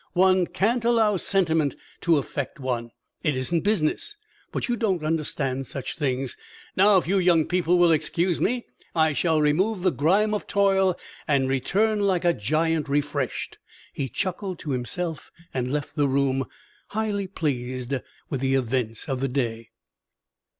"One can't allow sentiment to affect one. It isn't business. But you don't understand such things. Now, if you young people will excuse me, I shall remove the grime of toil, and return like a giant refreshed." He chuckled to himself and left the room, highly pleased with the events of the day.